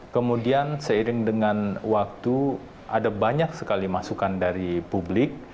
kemudian seiring dengan waktu ada banyak sekali masukan dari publik